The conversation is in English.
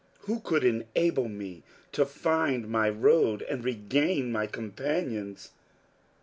Who could enable me to find my road and regain my companions?